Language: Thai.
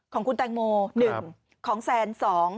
ของคุณแตงโม๑ของแซน๒